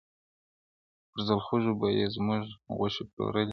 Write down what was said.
پر زلخوږو به یې زموږ غوښي پلورلای,